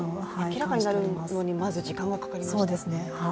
明らかになるのに、まず時間がかかりましたもんね。